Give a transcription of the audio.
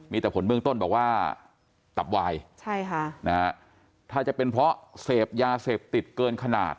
มีแต่ผลเบื้องต้นบอกว่าตับวายใช่ค่ะนะฮะถ้าจะเป็นเพราะเสพยาเสพติดเกินขนาด